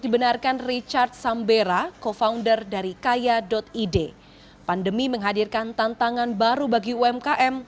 dibenarkan richard sambera co founder dari kaya id pandemi menghadirkan tantangan baru bagi umkm